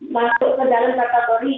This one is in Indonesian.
masuk ke dalam kategori